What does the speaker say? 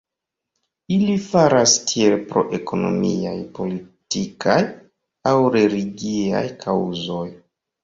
Ili faras tiel pro ekonomiaj, politikaj aŭ religiaj kaŭzoj.